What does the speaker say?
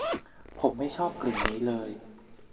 ผมไม่ชอบกลิ่นนี้เลย